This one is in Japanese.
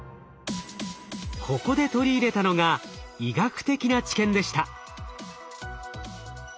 ここで取り入れたのが医学的な知見でした。